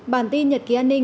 bản tin nhật ký an ninh